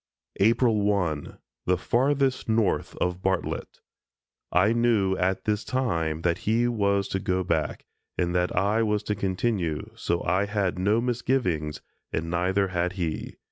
April 1, the Farthest North of Bartlett: I knew at this time that he was to go back, and that I was to continue, so I had no misgivings and neither had he.